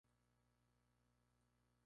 vivieron